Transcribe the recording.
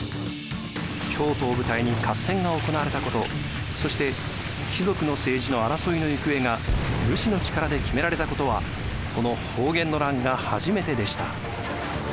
京都を舞台に合戦が行われたことそして貴族の政治の争いの行方が武士の力で決められたことはこの保元の乱が初めてでした。